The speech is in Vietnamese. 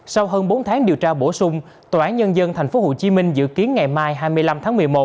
sau hơn bốn tháng điều tra bổ sung tòa án nhân dân tp hcm dự kiến ngày mai hai mươi năm tháng một mươi một